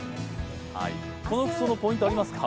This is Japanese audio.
この服装のポイントありますか？